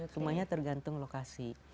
semuanya tergantung lokasi